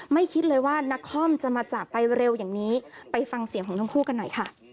คิดเลยว่านักคอมจะมาจากไปเร็วอย่างนี้ไปฟังเสียงของทั้งคู่กันหน่อยค่ะ